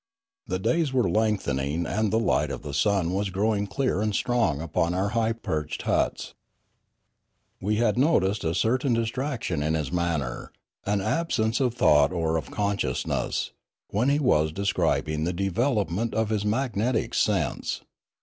The days were lengthening, and the light of the sun was growing clear and strong upon our high perched huts. We had noticed a certain distraction in his manner, an absence of thought or of consciousness, when he was describing the development of his magnetic sense.